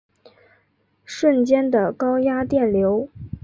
瞬间的高压电流